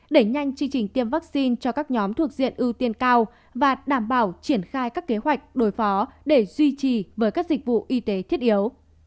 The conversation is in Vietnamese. đẩy nhanh chương trình tiêm vaccine cho các nhóm thuộc diện ưu tiên cao và đảm bảo triển khai các kế hoạch đối phó để duy trì với các dịch vụ y tế thiết yếu